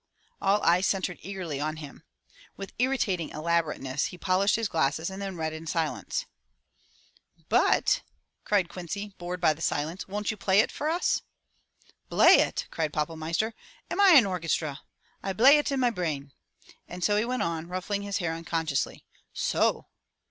All eyes centered eagerly on him. With irritating elaborateness he polished his glasses and then read in silence. "But!" cried Quincy, bored by the silence. "Won't you play it for us?" "Blay it?" cried Pappelmeister. "Am I an orgestra? I blay it in my brain." And he went on reading, ruffling his hair unconsciously, — "So!'